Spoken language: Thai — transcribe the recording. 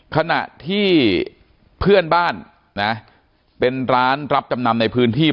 ขณะที่เพื่อนบ้านนะเป็นร้านรับจำนำในพื้นที่